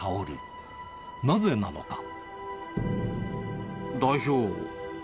なぜなのか？